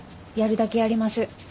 やるだけやります。